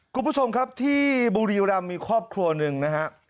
คุณผู้ชมครับที่บุรีรำมีครอบครัวหนึ่งนะฮะ